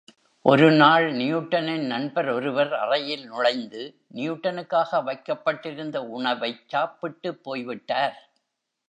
ஒரு நாள் நியூட்டனின் நண்பர் ஒருவர் அறையில் நுழைந்து, நியூட்டனுக்காக வைக்கப்பட்டிருந்த உணவைச் சாப்பிட்டுப் போய் விட்டார்.